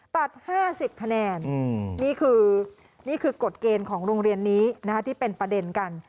ตัด๕๐คะแนนนี่คือนี่คือกฎเกณฑ์ของโรงเรียนนี้ที่เป็นประเด็นกัน